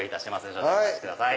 少々お待ちください。